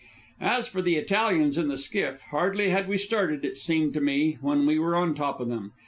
As for the Italians in the skiff hardly had we started, it seemed to me, when we were on top of them.